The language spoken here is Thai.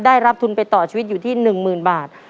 ได้รับทุนไปต่อชีวิตอยู่ที่หนึ่งหมื่นบาท